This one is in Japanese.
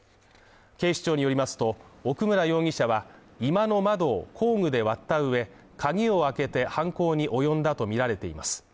警視庁によりますと、奥村容疑者は、居間の窓を工具で割った上、鍵を開けて犯行に及んだとみられています。